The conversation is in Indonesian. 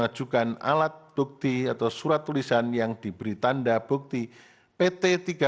pembiaya terkait mengajukan alat bukti atau surat tulisan yang diberi tanda bukti pt tiga puluh